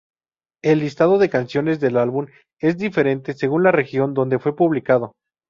El listado de canciones del álbum es diferente según la región donde fue publicado.